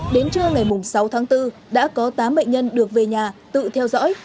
đến trưa ngày sáu tháng bốn đã có tám bệnh nhân được về nhà tự theo dõi